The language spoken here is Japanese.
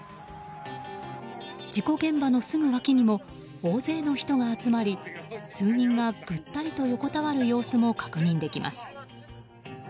事故現場のすぐ脇にも大勢の人が集まり数人がぐったりと横たわる様子も確認できます。